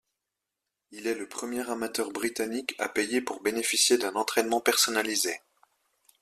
Il est le premier amateur britannique à payer pour bénéficier d'un entraînement personnalisé.